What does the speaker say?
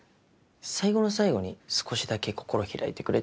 最後の最後に少しだけ心開いてくれて。